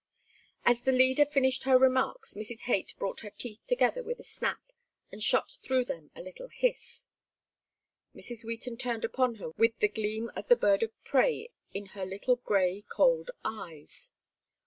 As the leader finished her remarks Mrs. Haight brought her teeth together with a snap and shot through them a little hiss. Mrs. Wheaton turned upon her with the gleam of the bird of prey in her little gray cold eyes.